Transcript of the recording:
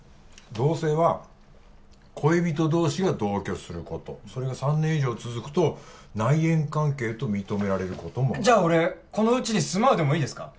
同棲は恋人同士が同居することそれが３年以上続くと内縁関係と認められることもあるじゃあ俺このうちに「住まう」でもいいですか？